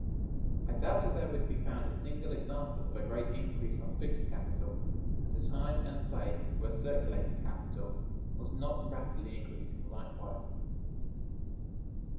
I doubt if there would be found a single example of a great increase of fixed capital, at a time and place where circulating capital was not rapidly increasing likewise.